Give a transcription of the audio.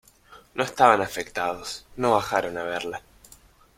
no estaban afectados. no bajaron a verla